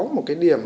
một cái điểm